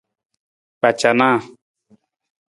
Kpacanaa.